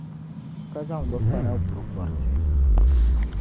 ka zaŋ bɛ kpana kuri gɔriti.